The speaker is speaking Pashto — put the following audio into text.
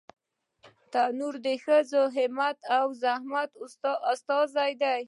تنور د ښځو همت او زحمت استازی دی